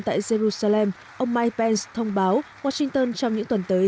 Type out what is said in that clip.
tại jerusalem ông mike pence thông báo washington trong những tuần tới